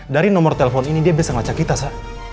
dari nomor telepon ini dia bisa ngelacak kita sa